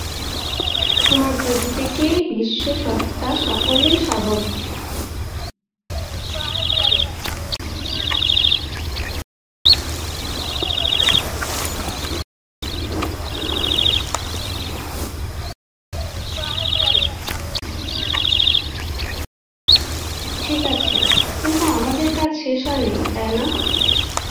ঠিক আছে, কিন্তু আমাদের কাজ শেষ হয়নি, তাই না?